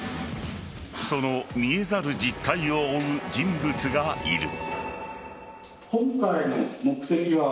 その見えざる実態を追う人物がいる。